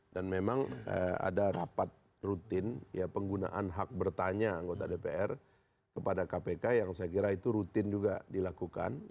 dan memang ada rapat rutin ya penggunaan hak bertanya anggota dpr kepada kpk yang saya kira itu rutin juga dilakukan